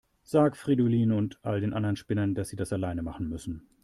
Sag Fridolin und all den anderen Spinnern, dass sie das alleine machen müssen.